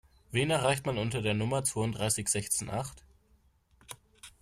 Wen erreicht man unter der Nummer zwounddreißig sechzehn acht?